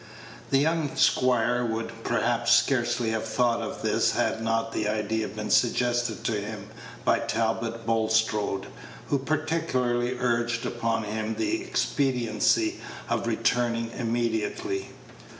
The young squire would perhaps scarcely have thought of this had not the idea been suggested to him by Talbot Bulstrode, who particularly urged upon him the expediency of returning immediately.